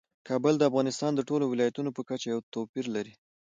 کابل د افغانستان د ټولو ولایاتو په کچه یو توپیر لري.